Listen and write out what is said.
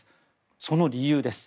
その理由です。